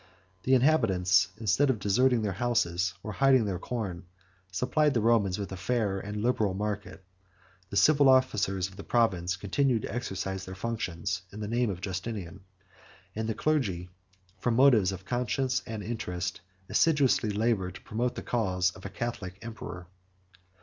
The inhabitants, instead of deserting their houses, or hiding their corn, supplied the Romans with a fair and liberal market: the civil officers of the province continued to exercise their functions in the name of Justinian: and the clergy, from motives of conscience and interest, assiduously labored to promote the cause of a Catholic emperor.